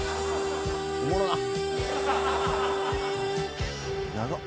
おもろなっ。